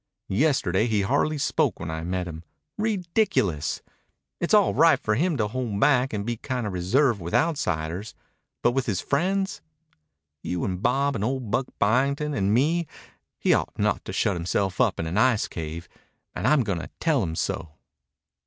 Yesterday he hardly spoke when I met him. Ridiculous. It's all right for him to hold back and be kinda reserved with outsiders. But with his friends you and Bob and old Buck Byington and me he ought not to shut himself up in an ice cave. And I'm going to tell him so."